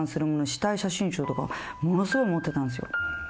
死体写真集とかものすごい持ってたんすよ